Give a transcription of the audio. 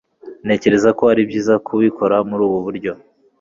ntekereza ko ari byiza kubikora muri ubu buryo